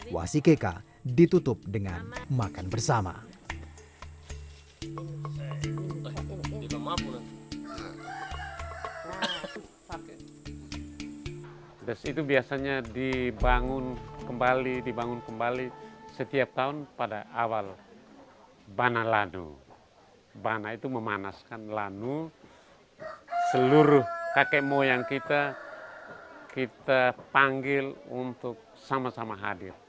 wasikeka ditutup dengan makan buah